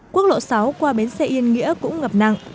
quốc lộ sáu qua bến xe yên nghĩa cũng ngập nặng